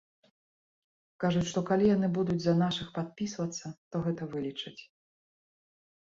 Кажуць, што калі яны будуць за нашых падпісвацца, то гэта вылічаць.